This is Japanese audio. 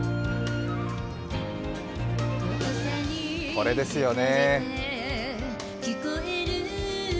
これですよね。